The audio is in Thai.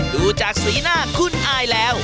ดูจากสีหน้าคุณอายแล้ว